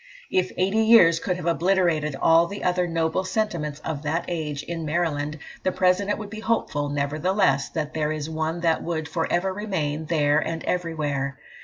"If eighty years could have obliterated all the other noble sentiments of that age in Maryland, the President would be hopeful, nevertheless, that there is one that would for ever remain there and everywhere.